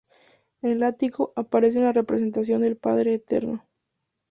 En el ático, aparece una representación del Padre Eterno.